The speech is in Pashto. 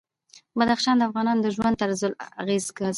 بدخشان د افغانانو د ژوند طرز اغېزمنوي.